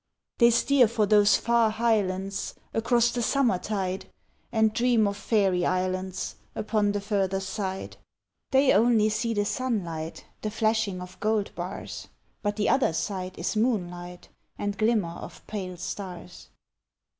They steer for those far highlands Across the summer tide, And dream of fairy islands Upon the further side. They only see the sunlight, The flashing of gold bars, But the other side is moonlight And glimmer of pale stars.